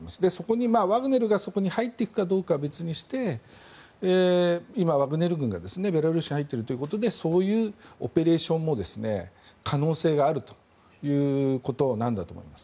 そこにワグネルがそこに入っていくかは別にして今、ワグネル軍がベラルーシに入っているということでそういうオペレーション可能性があるということなんだろうと思います。